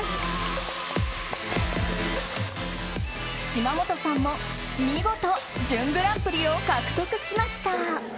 島本さんも見事準グランプリを獲得しました。